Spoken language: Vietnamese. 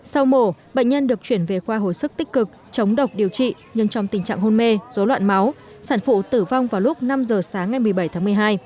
sau mổ bệnh nhân được chuyển về khoa hồi sức tích cực chống độc điều trị nhưng trong tình trạng hôn mê rối loạn máu sản phụ tử vong vào lúc năm giờ sáng ngày một mươi bảy tháng một mươi hai